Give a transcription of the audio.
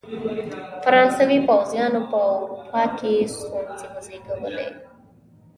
فرانسوي پوځیانو په اروپا کې ستونزې وزېږولې.